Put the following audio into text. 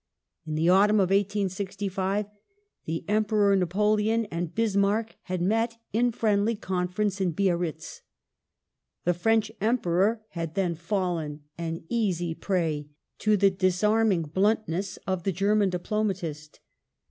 In the autumn of 1865 the Emperor Napoleon and Bismarck had met in friendly conference at Biarritz. The French Emperor had then fallen an easy prey to the disarming bluntness of the German diplomatist.